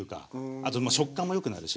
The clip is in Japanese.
あと食感もよくなるし。